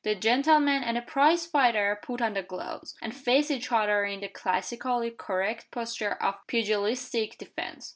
The gentleman and the prize fighter put on the gloves, and faced each other in the classically correct posture of pugilistic defense.